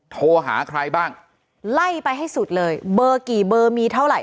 โทรหาใครบ้างไล่ไปให้สุดเลยเบอร์กี่เบอร์มีเท่าไหร่